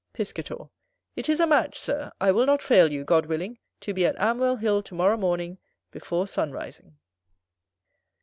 Piscator. It is a match, Sir, I will not fail you, God willing, to be at Amwell Hill to morrow morning before sun rising.